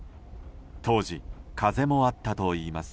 当時、風もあったといいます。